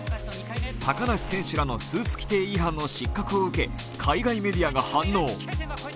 高梨選手らのスーツ規定の違反を受け、海外メディアが反応。